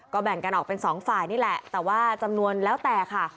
แบ่งกันออกเป็นสองฝ่ายนี่แหละแต่ว่าจำนวนแล้วแต่ค่ะ